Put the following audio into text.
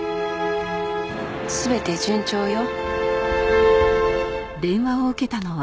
全て順調よ。